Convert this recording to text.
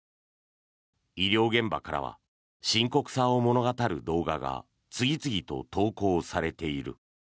医療現場からは深刻さを物語る動画が次々と投稿されている。